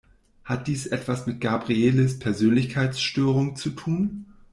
Hat dies etwas mit Gabrieles Persönlichkeitsstörung zu tun?